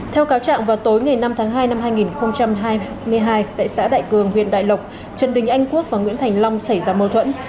theo cáo trạng vào tối ngày năm tháng hai năm hai nghìn hai mươi hai tại xã đại cường huyện đại lộc trần đình anh quốc và nguyễn thành long xảy ra mâu thuẫn